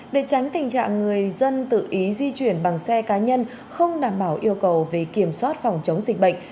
để tránh tình trạng người dân tự ý di chuyển bằng xe cá nhân không đảm bảo yêu cầu về kiểm soát phòng chống dịch bệnh